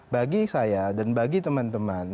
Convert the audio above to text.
bagi saya dan bagi teman teman